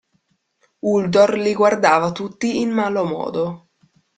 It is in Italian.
Uldor li guardava tutti in malo modo.